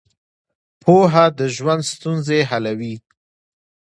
پوهه د ژوند ستونزې حلوي.